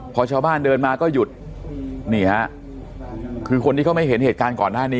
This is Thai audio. พอชาวบ้านเดินมาก็หยุดนี่ฮะคือคนที่เขาไม่เห็นเหตุการณ์ก่อนหน้านี้